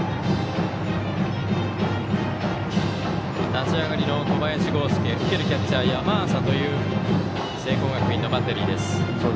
立ち上がりの小林剛介受けるキャッチャー、山浅という聖光学院のバッテリーです。